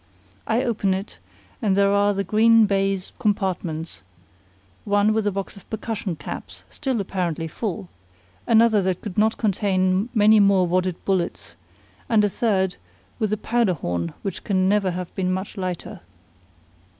I open it, and there are the green baize compartments, one with a box of percussion caps, still apparently full, another that could not contain many more wadded bullets, and a third with a powder horn which can never have been much lighter.